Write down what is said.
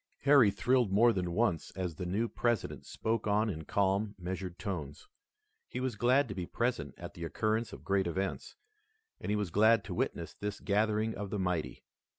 Harry thrilled more than once as the new President spoke on in calm, measured tones. He was glad to be present at the occurrence of great events, and he was glad to witness this gathering of the mighty.